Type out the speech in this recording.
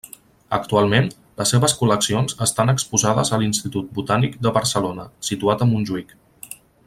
Actualment, les seves col·leccions estan exposades a l’Institut Botànic de Barcelona, situat a Montjuïc.